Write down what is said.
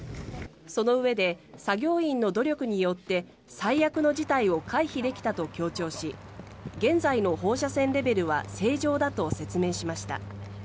そのうえで作業員の努力によって最悪の事態を回避できたと強調し現在の放射線レベルは正常だと説明しました。